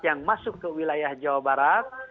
yang masuk ke wilayah jawa barat